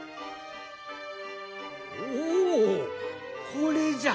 おおこれじゃ。